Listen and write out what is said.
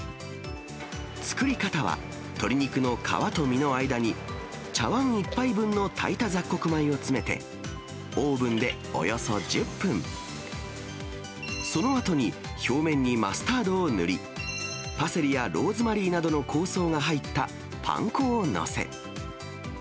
作り方は、鶏肉の皮と身の間に、茶わん１杯分の炊いた雑穀米を詰めて、オーブンでおよそ１０分、そのあとに表面にマスタードを塗り、パセリやローズマリーなどの香草が入ったパン粉を載せ。